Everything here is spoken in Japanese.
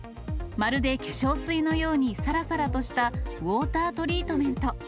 まるで化粧水のようにさらさらとしたウォータートリートメント。